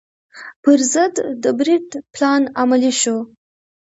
پر ضد د برید پلان عملي شو.